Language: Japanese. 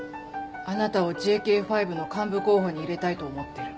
あなたをＪＫ５の幹部候補に入れたいと思ってる。